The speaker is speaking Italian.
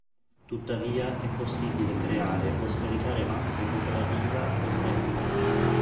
Tuttavia è possibile creare o scaricare mappe cooperativa o deathmatch.